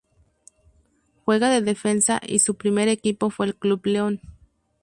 Juega de defensa y su primer equipo fue el Club León.